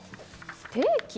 ステーキ！？